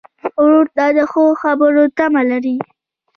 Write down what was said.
ورور ته د ښو خبرو تمه لرې.